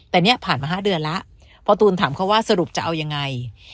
แต่เนี่ยผ่านมา๕เดือนแล้วพอตูนถามเขาว่าสรุปจะเอายังไง